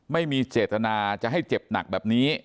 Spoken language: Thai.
ไม่มีเจตนาจะให้เจ็บหนักแบบนี้